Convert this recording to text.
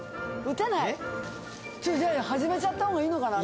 じゃあ始めちゃったほうがいいのかな？